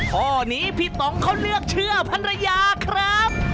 ข้อนี้พี่ตองเขาเลือกเชื่อภรรยาครับ